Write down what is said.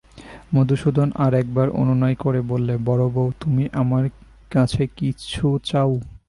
মধুসূদন আর-একবার অনুনয় করে বললে, বড়োবউ, তুমি আমার কাছে কিছু চাও।